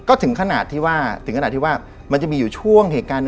ก็ถึงขนาดที่ว่ามันจะมีอยู่ช่วงเหตุการณ์